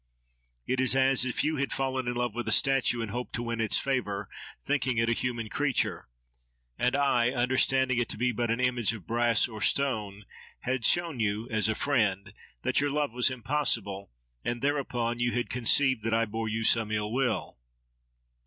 It is as if you had fallen in love with a statue and hoped to win its favour, thinking it a human creature; and I, understanding it to be but an image of brass or stone, had shown you, as a friend, that your love was impossible, and thereupon you had conceived that I bore you some ill will.